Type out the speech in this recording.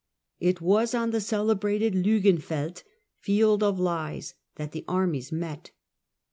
It was on the celebrated Liigenfeld (Field of lies) that the armies met.